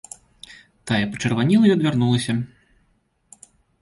Тая пачырванела і адвярнулася.